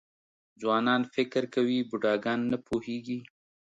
ځوانان فکر کوي بوډاګان نه پوهېږي .